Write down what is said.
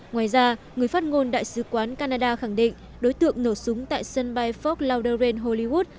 ngoài ra người phát ngôn đại sứ quán canada khẳng định đối tượng nổ súng tại sân bay fox loudoren hollywood